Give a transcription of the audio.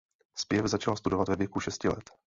Zpěv začala studovat ve věku šesti let.